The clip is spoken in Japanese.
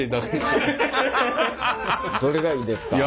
どれがいいですか？